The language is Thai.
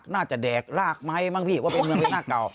น่าจะแดกรากไม้บ้างพี่ว่าเป็นเมืองพี่น่าเก่า